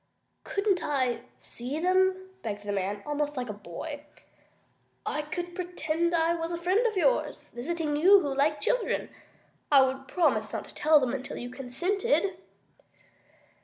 "Couldn't I see them?" begged the man, almost like a boy. "I could pretend I was a friend of yours, visiting you, who liked children. I would promise not to tell them until you consented."